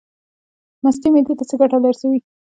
مستې معدې ته څه ګټه رسوي؟